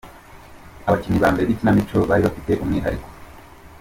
Abakinnyi ba mbere b’ikinamico bari bafite umwihariko.